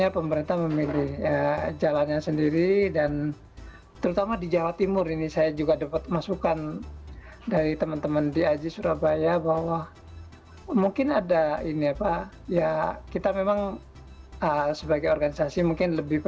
pemerintah punya pemetaan mana yang daerah